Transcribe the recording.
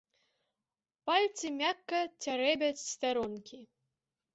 Пальцы мякка цярэбяць старонкі.